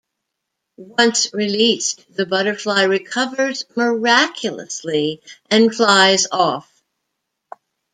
Once released the butterfly "recovers miraculously" and flies off.